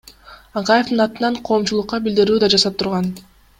Акаевдин атынан коомчулукка билдирүү да жасап турган.